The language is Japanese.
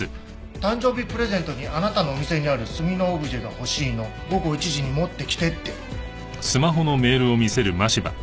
「誕生日プレゼントにあなたのお店にある炭のオブジェが欲しいの」「午後１時に持ってきて」って。